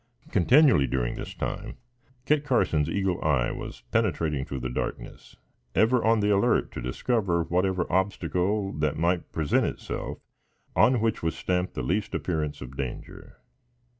Continually, during this time, Kit Carson's eagle eye was penetrating through the darkness, ever on the alert to discover whatever obstacle that might present itself on which was stamped the least appearance of danger.